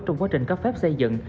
trong quá trình cấp phép xây dựng